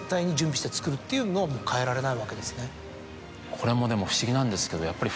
これもでも不思議なんですけどやっぱり。